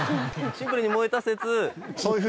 シンプルに燃えた説。